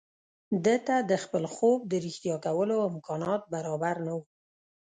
ده ته د خپل خوب د رښتيا کولو امکانات برابر نه وو.